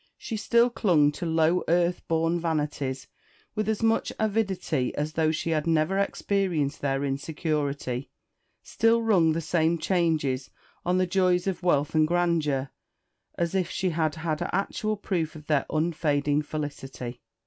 She still clung to low earth born vanities with as much avidity as though she had never experienced their insecurity; still rung the same changes on the joys of wealth and grandeur, as if she had had actual proof of their unfading felicity.